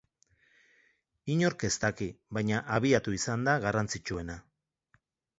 Inork ez daki, baina abiatu izana da garrantzitsuena.